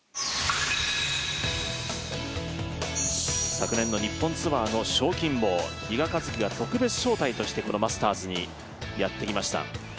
昨年の日本ツアーの賞金王、比嘉一貴は特別招待としてこのマスターズにやってきました。